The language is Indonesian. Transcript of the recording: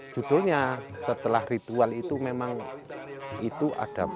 judulnya setelah ritual itu memang itu ada